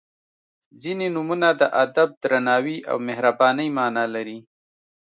• ځینې نومونه د ادب، درناوي او مهربانۍ معنا لري.